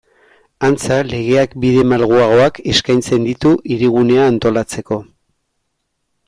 Antza, legeak bide malguagoak eskaintzen ditu Hirigunea antolatzeko.